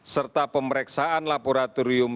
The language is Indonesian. serta pemeriksaan laboratorium